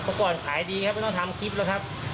เพราะก่อนขายดีไม่ต้องทำคลิปแล้วครับ